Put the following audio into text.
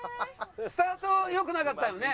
スタート良くなかったよね？